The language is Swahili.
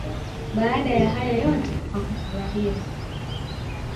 Baada ya hayo yote hakufurahia.